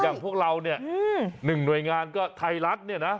อย่างพวกเราเนี่ยหนึ่งหน่วยงานก็ไทยรัฐเนี่ยนะ